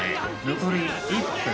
残り１分。